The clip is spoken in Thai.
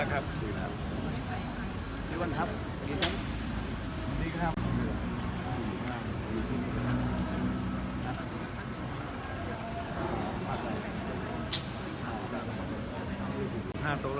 ไม่ไม่สบายาเหนียงที่ภาษาใต้ต่อในมูล